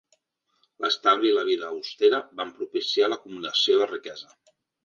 L’estalvi i la vida austera van propiciar l’acumulació de riquesa.